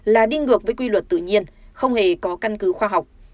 là đi ngược với quy luật tự nhiên không hề có căn cứ khoa học